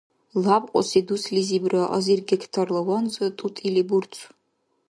Лябкьуси дуслизибра азир гектарла ванза тӀутӀили бурцу.